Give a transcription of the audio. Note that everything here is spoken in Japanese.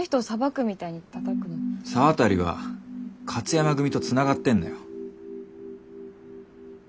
沢渡は勝山組とつながってんだよ。